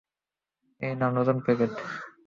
এই নাও নতুন প্যাকেট।